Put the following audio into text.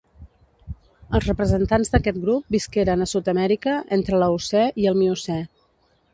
Els representants d'aquest grup visqueren a Sud-amèrica entre l'Eocè i el Miocè.